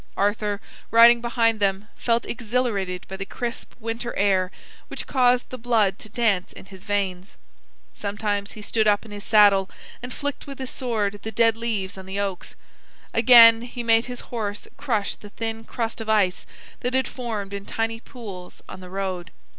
Arthur, riding behind them, felt exhilarated by the crisp winter air which caused the blood to dance in his veins. Sometimes he stood up in his saddle and flicked with his sword the dead leaves on the oaks. Again he made his horse crush the thin crust of ice that had formed in tiny pools on the road.